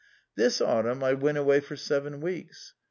This autunm I went away for seven weeks.